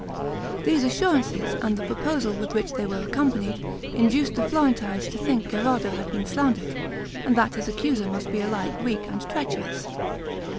These assurances, and the proposal with which they were accompanied, induced the Florentines to think Gherardo had been slandered, and that his accuser must be alike weak and treacherous.